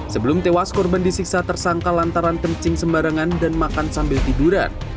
sebelum tewas korban disiksa tersangka lantaran kencing sembarangan dan makan sambil tiduran